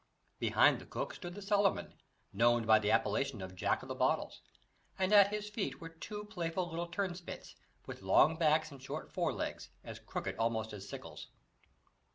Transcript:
Behind the cook stood the cellarman, known by the appellation of Jack of the Bottles, and at his feet were two playful little turnspits, with long backs, and short forelegs, as crooked almost as sickles.